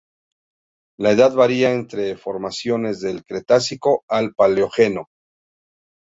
La edad varía entre formaciones del Cretácico al Paleógeno.